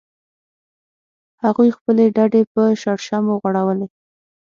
هغوی خپلې ډډې په شړشمو غوړولې